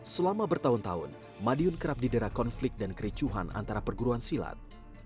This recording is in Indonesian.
selama bertahun tahun madiun kerap didera konflik dan kericuhan antara perguruan silat